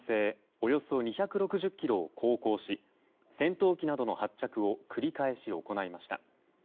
およそ２６０ｋｍを航行し戦闘機などの発着を繰り返し行いました。